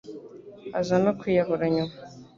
aza no kwiyahura nyuma .